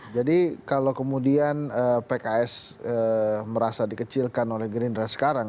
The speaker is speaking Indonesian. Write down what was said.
jadi kalau kemudian pks merasa dikecilkan oleh gerindra sekarang